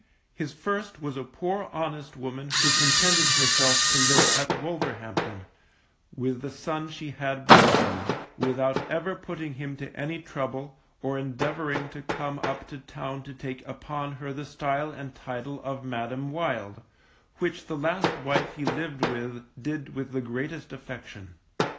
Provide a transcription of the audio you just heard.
His first was a poor honest woman who contented herself to live at Wolverhampton, with the son she had by him, without ever putting him to any trouble, or endeavouring to come up to Town to take upon her the style and title of Madam Wild, which the last wife he lived with did with the greatest affection.